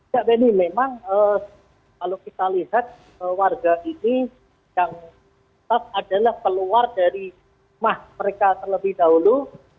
ya benny memang kalau kita lihat warga ini yang top adalah keluar dari rumah mereka terlebih dahulu